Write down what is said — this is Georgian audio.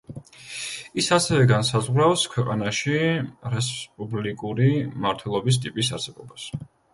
ის ასევე განსაზღვრავს ქვეყანაში რესპუბლიკური მმართველობის ტიპის არსებობას.